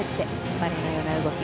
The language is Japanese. バレエのような動き。